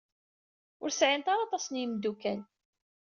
Ur sɛint ara aṭas n yimeddukal.